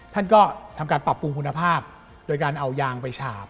ท่านก็ทำการปรับปรุงคุณภาพโดยการเอายางไปฉาบ